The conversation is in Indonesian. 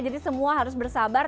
jadi semua harus bersabar